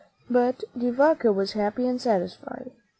But De Vaca was happy and satisfied.